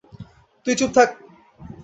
তুই চুপ থাক!